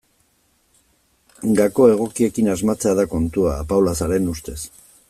Gako egokiekin asmatzea da kontua, Apaolazaren ustez.